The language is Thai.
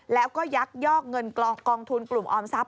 แล้วก็ยักยอกเงินกองทุนกลุ่มออมทรัพย